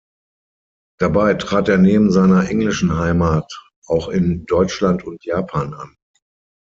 Dabei trat er neben seiner englischen Heimat auch in Deutschland und Japan an.